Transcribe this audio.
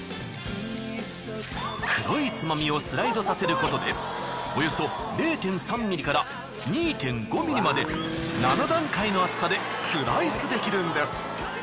黒いつまみをスライドさせることでおよそ０．３ｍｍから２．５ｍｍまで７段階の厚さでスライスできるんです。